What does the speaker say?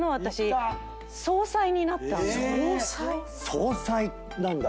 総裁なんだ。